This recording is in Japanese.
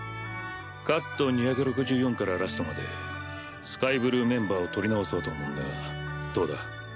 カット２６４からラストまでスカイブルーメンバーを録り直そうと思うんだがどうだ？